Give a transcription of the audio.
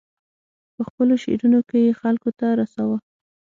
په خپلو شعرونو کې یې خلکو ته رساوه.